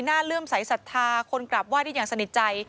น่าเรื่องสายสัทธาคนกลับว่าดินอย่างสนิทใจ